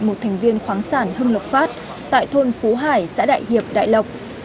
một thành viên khoáng sản hưng lộc phát tại thôn phú hải xã đại hiệp đại lộc